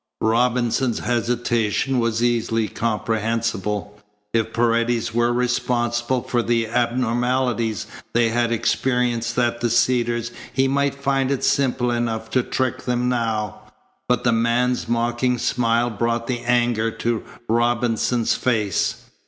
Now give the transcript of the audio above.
Robinson's hesitation was easily comprehensible. If Paredes were responsible for the abnormalities they had experienced at the Cedars he might find it simple enough to trick them now, but the man's mocking smile brought the anger to Robinson's face.